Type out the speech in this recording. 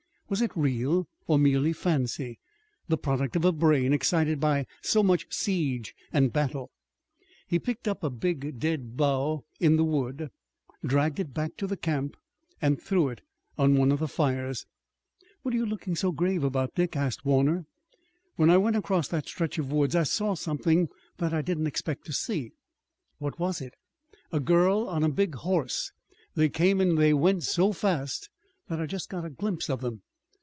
Was it real or merely fancy, the product of a brain excited by so much siege and battle? He picked up a big dead bough in the wood, dragged it back to the camp and threw it on one of the fires. "What are you looking so grave about, Dick?" asked Warner. "When I went across that stretch of woods I saw something that I didn't expect to see." "What was it?" "A girl on a big horse. They came and they went so fast that I just got a glimpse of them."